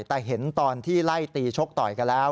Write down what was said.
แต่เห็นตอนที่ไล่ตีชกต่อยกันแล้ว